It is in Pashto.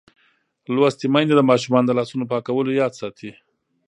لوستې میندې د ماشومانو د لاسونو پاکولو یاد ساتي.